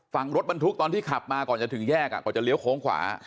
ฝั่งรถบรรทุกตอนที่ขับมาก่อนจะถึงแยกก่อนจะเลี้ยวโค้งขวา